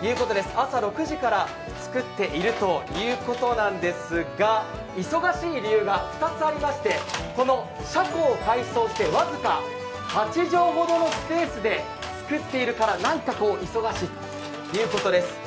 朝６時から作っているということなんですが、忙しい理由が２つありまして、車庫を改装して僅か、８畳ほどのスペースで作っているからなんか忙しいということです。